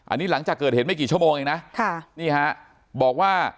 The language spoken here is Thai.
อันนี้หลังจากเกิดเหตุไม่กี่ชั่วโมงเองนะค่ะนี่ฮะบอกว่า